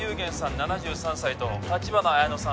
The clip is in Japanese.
７３歳と立花彩乃さん